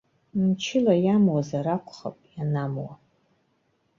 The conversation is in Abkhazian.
Мчыла иамуазар акәхап ианамуа.